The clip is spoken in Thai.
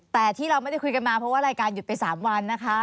แต่ที่เราไม่ได้คุยกันมาเพราะว่ารายการหยุดไป๓วันนะคะ